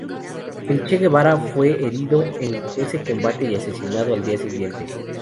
El Che Guevara fue herido en ese combate y asesinado al día siguiente.